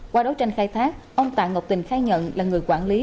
qua đấu tranh khai thác ông tạ ngọc tình khai nhận là người quản lý